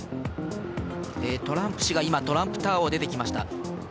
トランプ氏がトランプタワーを出てきました。